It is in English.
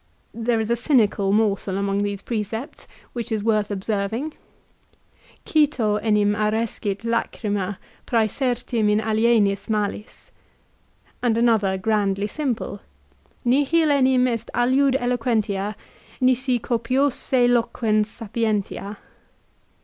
There is a cynical morsel among these precepts, which is worth observing, " Cito enim arescit lachryma prsesertim in alienis malis," l and another grandly simple, " Nihil enim est aliud eloquentia nisi copiose loquens sapientia."